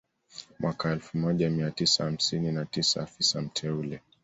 Mwaka elfu moja mia tisa hamsini na tisa afisa mteule